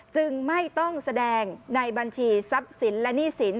จึงไม่ต้องแสดงในบัญชีทรัพย์สินและหนี้สิน